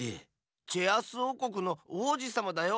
チェアースおうこくのおうじさまだよ！